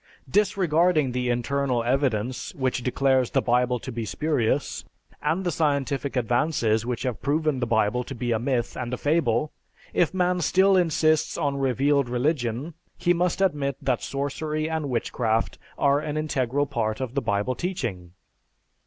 Disregarding the internal evidence which declares the Bible to be spurious, and the scientific advances which have proven the Bible to be a myth and a fable, if man still insists on "revealed religion" he must admit that sorcery and witchcraft are an integral part of the Bible teaching.